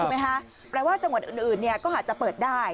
ถูกไหมฮะแปลว่าจังหวัดอื่นก็อาจจะเปิดได้